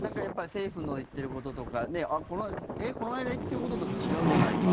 政府の言っていることとかこの間、言っていることと違うじゃないか。